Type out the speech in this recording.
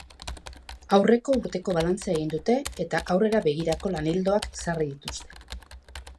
Aurreko urteko balantzea egin dute, eta aurrera begirako lan-ildoak ezarri dituzte.